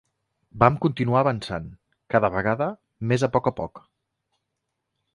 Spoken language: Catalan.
Vam continuar avançant, cada vegada més a poc a poc